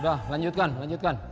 udah lanjutkan lanjutkan